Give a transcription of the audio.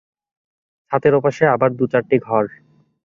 ছাতের ওপাশে আবার দু-চারটি ঘর।